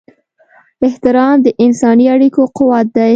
احترام د انساني اړیکو قوت دی.